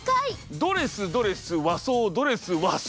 ドレスドレス和装ドレス和装。